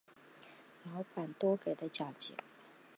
老板多给的奖金